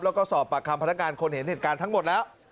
แล้วก็สอบปากคำพนักงานคนเห็นเหตุการณ์ทั้งหมดแล้ว